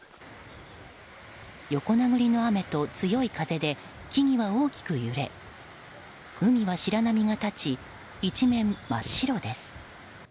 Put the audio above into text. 横殴りの雨と強い風で木々は大きく揺れ海は白波が立ち、一面真っ白です。